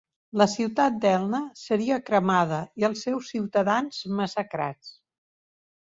La ciutat d'Elna seria cremada i els seus ciutadans massacrats.